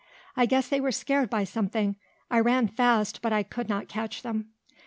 I guess they were scared by something. I ran fast, but I could not catch them."